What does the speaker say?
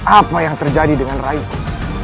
apa yang terjadi dengan raiku